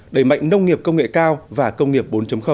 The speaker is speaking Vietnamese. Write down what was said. đẩy mạnh nông nghiệp công nghệ cao và công nghiệp bốn